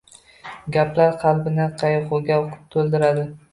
Gaplar qalbini qaygʻuga toʻldiradi.